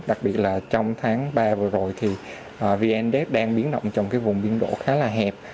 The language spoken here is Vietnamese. đặc biệt là trong tháng ba vừa rồi thì vndad đang biến động trong vùng biên độ khá là hẹp